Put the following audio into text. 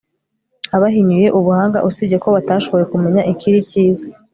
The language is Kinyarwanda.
abahinyuye ubuhanga, usibye ko batashoboye kumenya ikiri cyiza